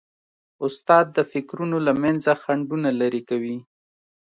استاد د فکرونو له منځه خنډونه لیري کوي.